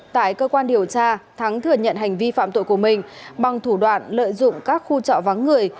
tại cơ quan điều tra thắng thừa nhận hành vi phạm tội của mình bằng thủ đoạn lợi dụng các khu trọ vắng người